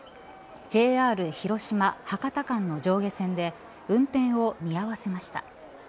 ＪＲ広島、博多間の上下線で運転を見合わせました。